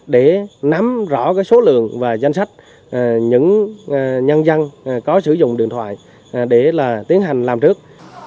để nắm rõ số lượng và danh sách những nhân dân có sử dụng điện thoại để tiến hành làm trước